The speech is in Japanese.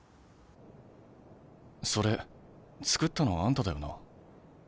それ作ったのあんただよな？